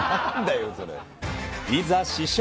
いざ試食。